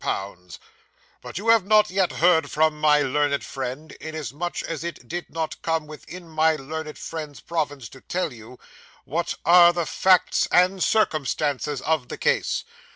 But you have not heard from my learned friend, inasmuch as it did not come within my learned friend's province to tell you, what are the facts and circumstances of the case.